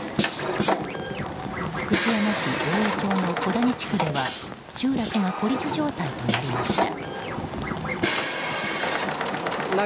福知山市大江町の小谷地区では集落が孤立状態となりました。